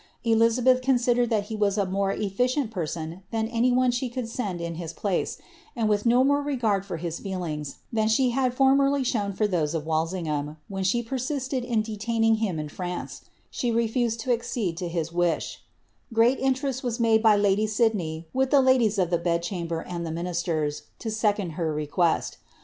Elizabeth considered that he was a more eflicieni person than anv on« she could send in his place, and with no more regard for his feehr^s than ihe had formerly shown for those of Walsingham, when she ptr sistcd in detaining him in France, she refused to accede to his wish, (ireat iiitcresl was made by lady Sidney with the ladies of the beii chamber and the ministers, to second her request.